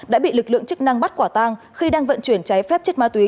đã bị lực lượng chức năng bắt quả tang khi đang vận chuyển cháy phép chất ma túy